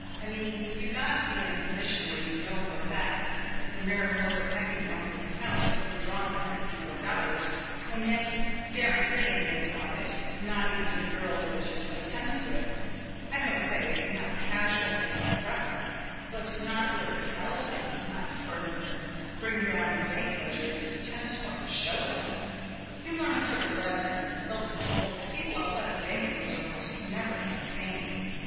I mean, if you've got to be in a position where you know for a fact that the Mariposa Packing Company's account is overdrawn by sixty four dollars, and yet daren't say anything about it, not even to the girls that you play tennis with, I don't say, not a casual hint as a reference, but not really tell them, not, for instance, bring down the bank ledger to the tennis court and show them, you learn a sort of reticence and self control that people outside of banking circles never can attain.